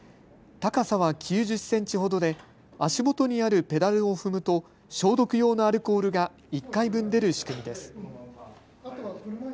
高さは９０センチほどで足元にあるペダルを踏むと消毒用のアルコールが１回分出る仕組みです。